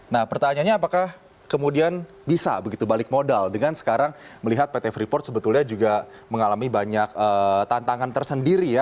nah pertanyaannya apakah kemudian bisa begitu balik modal dengan sekarang melihat pt freeport sebetulnya juga mengalami banyak tantangan tersendiri ya